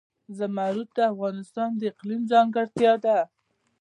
زمرد د افغانستان د اقلیم ځانګړتیا ده.